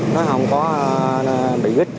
nó không có bị vít